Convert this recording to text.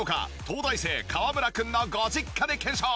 東大生川村君のご実家で検証！